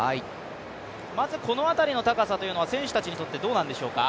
まず、この辺りの高さというのは選手たちにとってどうなんでしょうか？